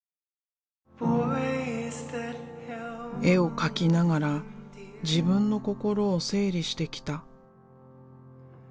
絵を描きながら自分の心を整理してきた。